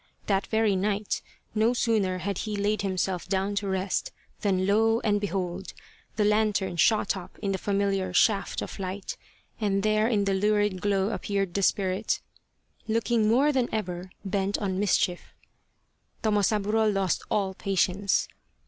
That very night, no sooner had he laid himself down to rest, than lo ! and behold, the lantern shot up in the familiar shaft of light, and there in the lurid glow appeared the spirit, looking more than ever bent on mischief. Tomosaburo lost all patience.